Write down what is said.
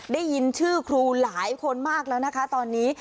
ได้ยินชื่อครูหลายคนมากแล้วนะคะตอนนี้